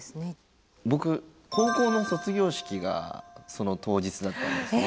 僕高校の卒業式がその当日だったんですね。